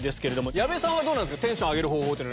矢部さんはどうなんですか？